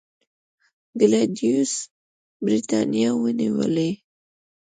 کلاډیوس برېټانیا ونیوله